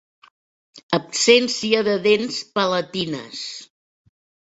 Absència de dents palatines.